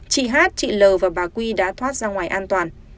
chị hát chị l và bà quy đã thoát ra ngoài an toàn